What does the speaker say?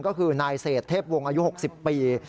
ก็คือนายเศษเทพวงศ์อายุ๖๐ปี